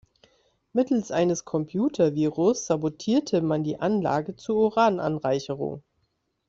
Mittels eines Computervirus sabotierte man die Anlage zur Urananreicherung.